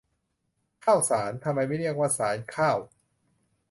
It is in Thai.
ข้าวสาร ทำไมไม่เรียกว่าสารข้าว